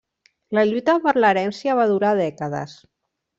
La lluita per l'herència va durar dècades.